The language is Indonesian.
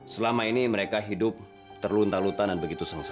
selama ini mereka hidup terluntar lutan dan begitu sengsara